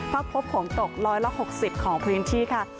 พักพบของตก๑๖๐ของพื้นที่ค่ะ